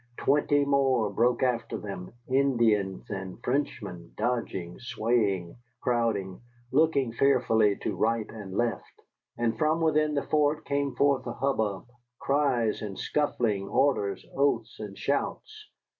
Twenty more broke after them, Indians and Frenchmen, dodging, swaying, crowding, looking fearfully to right and left. And from within the fort came forth a hubbub, cries and scuffling, orders, oaths, and shouts.